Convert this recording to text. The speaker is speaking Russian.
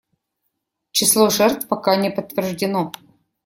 Число жертв пока не подтверждено.